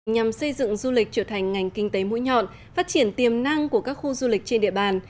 nhằm xây dựng du lịch trở thành ngành kinh tế mũi nhọn phát triển tiềm năng của các khu du lịch trên địa bàn